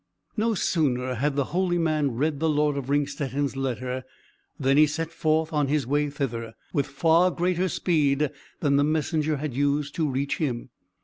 No sooner had the holy man read the Lord of Ringstetten's letter than he set forth on his way thither, with far greater speed than the messenger had used to reach him.